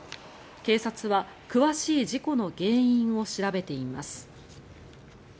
警察は詳しい事故の原因を調べています。